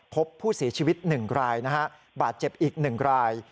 พบผู้เสียชีวิตหนึ่งรายบาดเจ็บอีกหนึ่งราย